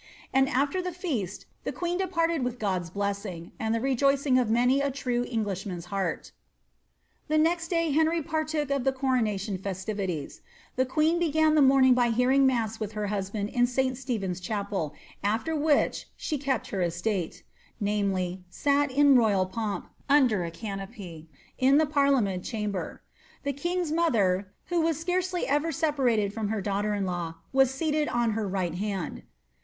Anil aAer the feaat the queen depariei ■iiit God'a blessing, aud ihe rejoicing of many a true Englishmaalf Lwrt."' I The next day Henry partook of the coronation festivities ; the queeil ' b^au the morning; by hearing masf wiilt her husband in St. SlephenVi Clupel, after which "she kepi her esUle" (viz., sal in royal pompj uDder k canopy) in the parliament chamber ; tlie king's mother, wh9 iM fcarccly ever separated from her daughter in law, was sealed on her rii^hi hand.